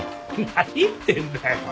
何言ってんだよ。